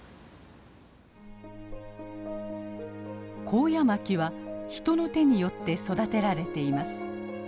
コウヤマキは人の手によって育てられています。